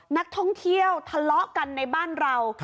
นักท่องเที่ยวทะเลาะกันในบ้านเรา